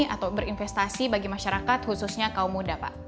atau berinvestasi bagi masyarakat khususnya kaum muda pak